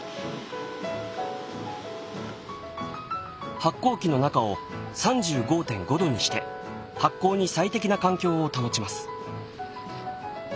発酵機の中を３５．５度にして発酵に最適な環境を保ちます。